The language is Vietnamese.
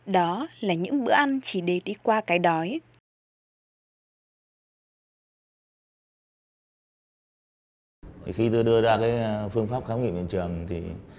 đó là những bữa ăn chỉ để đi qua cái đói